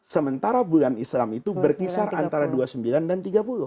sementara bulan islam itu berkisar antara dua puluh sembilan dan tiga puluh